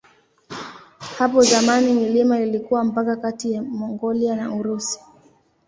Hapo zamani milima ilikuwa mpaka kati ya Mongolia na Urusi.